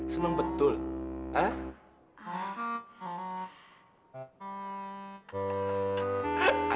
senang betul ha